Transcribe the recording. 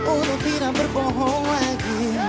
untuk tidak berbohong lagi